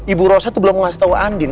ibu rosa itu belum ngasih tahu andin